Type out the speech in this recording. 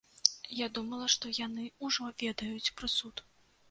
Я думала, што яны ўжо ведаюць прысуд.